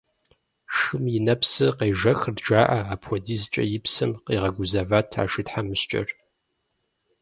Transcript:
Шым и нэпсыр къежэхырт жаӏэ, апхуэдизкӏэ и псэм къигъэгузэват а шы тхьэмыщкӏэр.